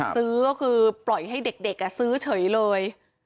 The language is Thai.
ซื้อก็คือปล่อยให้เด็กซื้อเฉยเลย